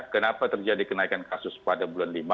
kenapa terjadi kenaikan kasus pada bulan lima